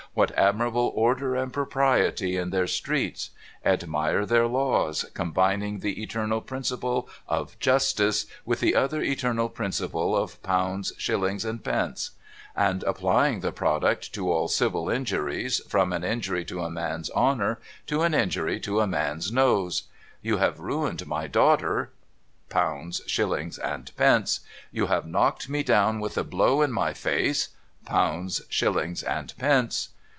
What admirable order and propriety in their streets ! Admire their laws, combining the eternal principle of justice with the other eternal principle of pounds, shillings, and pence ; and applying the product to all civil injuries, from an injury to a man's honour, to an injury to a man's nose ! You have ruined my daughter — pounds, shillings, and pence ! You have knocked me down with a blow in my face — pounds, shillings, and pence